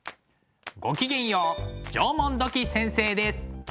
ごきげんよう縄文土器先生です。